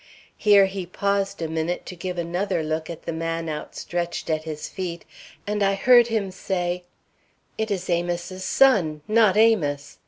Here he paused a minute to give another look at the man outstretched at his feet, and I heard him say: "'It is Amos's son, not Amos!